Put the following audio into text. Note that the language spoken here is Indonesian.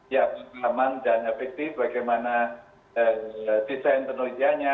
ya aman dan efektif bagaimana desain penelitiannya